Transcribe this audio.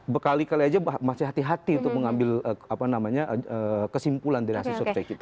bekali kali aja masih hati hati untuk mengambil kesimpulan dari hasil survei kita